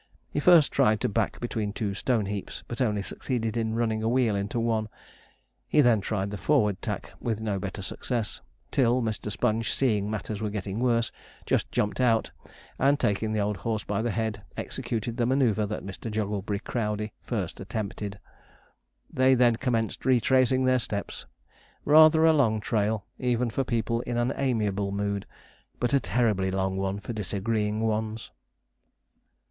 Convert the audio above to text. He first tried to back between two stone heaps, but only succeeded in running a wheel into one; he then tried the forward tack, with no better success, till Mr. Sponge seeing matters were getting worse, just jumped out, and taking the old horse by the head, executed the manoeuvre that Mr. Jogglebury Crowdey first attempted. They then commenced retracing their steps, rather a long trail, even for people in an amiable mood, but a terribly long one for disagreeing ones.